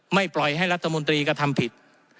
ปล่อยให้รัฐมนตรีกระทำผิด